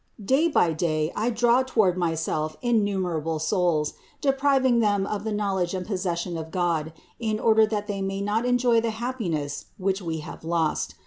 Day by day I draw toward myself innumerable souls, depriving them of the knowledge and possession of God, in order that they may not enjoy the happiness which we have lost.